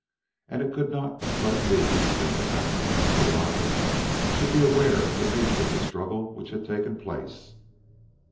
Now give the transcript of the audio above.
And it could not but be that the captain, if alive, should be aware of the nature of the struggle which had taken place.